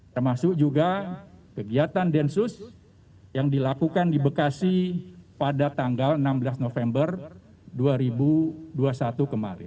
termasuk juga kegiatan densus yang dilakukan di bekasi pada tanggal enam belas november dua ribu dua puluh satu kemarin